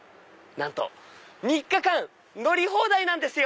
なんと３日間乗り放題なんですよ！